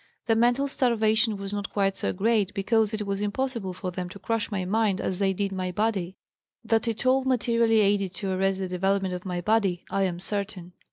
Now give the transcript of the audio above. The mental starvation was not quite so great because it was impossible for them to crush my mind as they did my body. That it all materially aided to arrest the development of my body I am certain.